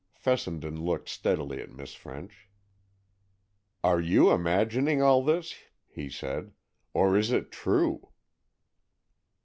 Fessenden looked steadily at Miss French. "Are you imagining all this," he said, "or is it true?"